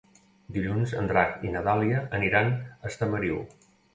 Dilluns en Drac i na Dàlia aniran a Estamariu.